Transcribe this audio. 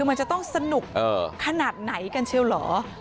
มันจะต้องสนุกขนาดไหนกันเชียวเหรอ